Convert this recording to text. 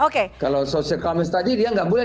kalau sosial e commerce tadi dia tidak boleh